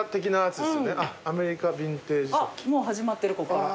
もう始まってるここから。